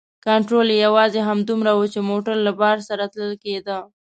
کنترول یې یوازې همدومره و چې موټر له بار سره تلل کیده.